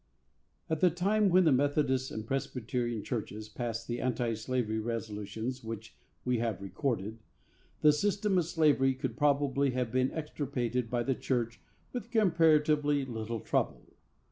At the time when the Methodist and Presbyterian Churches passed the anti slavery resolutions which we have recorded, the system of slavery could probably have been extirpated by the church with comparatively little trouble.